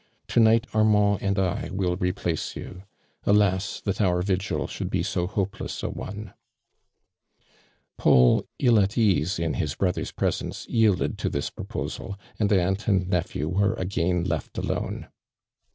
To night Armand and I will replace you. Alas I that our vigil should be so hopeless a one !" Paul, ill at ease in his brother's presence, yielded to this proposal, and aunt and nephew were again left alone.